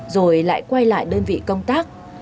rồi lại quay lại đơn vị công tác